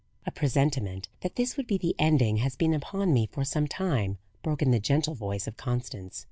"A presentiment that this would be the ending has been upon me for some time," broke in the gentle voice of Constance.